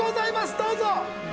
どうぞ！